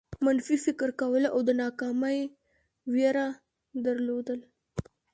منفي فکر کول او د ناکامۍ وېره درلودل.